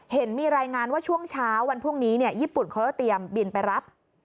เห็นมีรายงานว่าช่วงเช้าวันพรุ่งนี้ญี่ปุ่นเขาก็เตรียมบินไปรับ